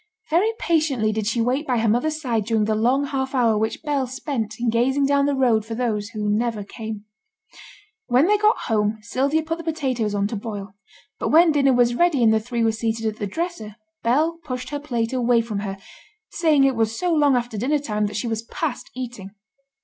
Very patiently did she wait by her mother's side during the long half hour which Bell spent in gazing down the road for those who never came. When they got home Sylvia put the potatoes on to boil; but when dinner was ready and the three were seated at the dresser, Bell pushed her plate away from her, saying it was so long after dinner time that she was past eating.